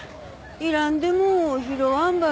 いらんでも拾わんばね。